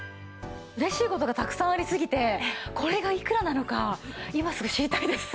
うれしい事がたくさんありすぎてこれがいくらなのか今すぐ知りたいです。